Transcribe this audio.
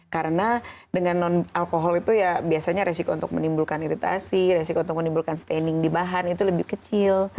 karena dengan non alkohol itu ya biasanya resiko untuk menimbulkan iritasi resiko untuk menimbulkan staining di bahan itu lebih kecil